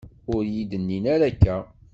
Ur yi-d-nnin ara akka.